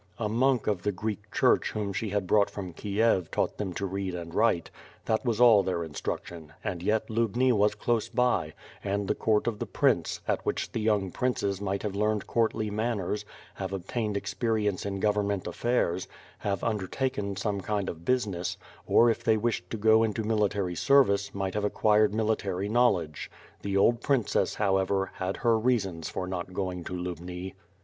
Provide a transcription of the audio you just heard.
A monk of the Greek church whom she had brought from Kiev taught them to read and write — ^that was all their instruction; and yet Lubni was close by, and the court of the prince, at which the young princes might have learned courtly manners, have obtained experience in gov ernment affairs; have undertaken some kind of business, or if they wished to go into military service, might have acquired military knowledge. The old princess, however, had her reasons for not going to Lubni.